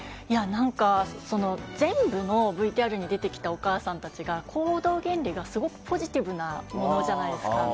なんか、全部のＶＴＲに出てきたお母さんたちが、行動原理がすごくポジティブなものじゃないですか。